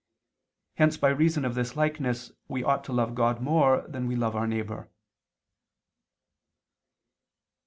Hence by reason of this likeness we ought to love God more than we love our neighbor.